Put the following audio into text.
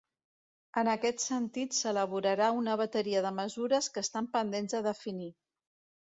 En aquest sentit s’elaborarà una bateria de mesures que estan pendents de definir.